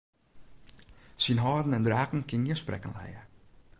Syn hâlden en dragen kin gjin sprekken lije.